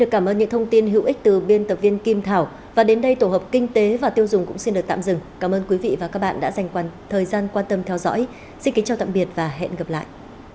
cảm ơn các bạn đã dành thời gian quan tâm theo dõi xin kính chào tạm biệt và hẹn gặp lại